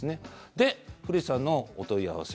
で、古市さんのお問い合わせ